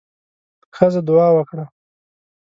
ښځه دعا وکړه.